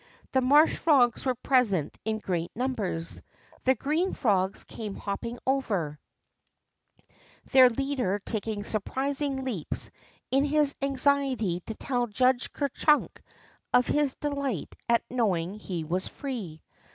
The marsh frogs were present in great numbers. The green frogs came hopping over, their leader taking surprising leaps in his anxiety to tell Judge Ker Chunk of his delight at knowing he was free.